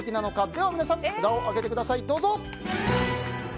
では皆さん、札を上げてください。